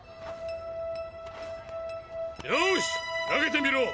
よおし投げてみろ。